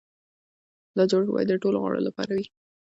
دا جوړښت باید د ټولو غړو لپاره وي.